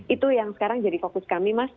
itu yang sekarang jadi fokus kami mas